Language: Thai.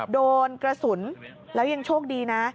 โดนกระสุนแล้วยังโชคดีนะ